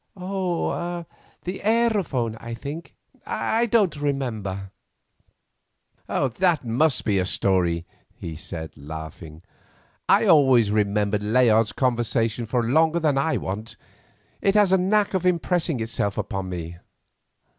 "Oh, the aerophone, I think; I don't remember." "That must be a story," he said, laughing. "I always remember Layard's conversation for longer than I want; it has a knack of impressing itself upon me.